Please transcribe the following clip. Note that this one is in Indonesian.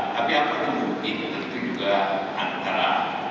tapi apa yang mungkin tentu juga antara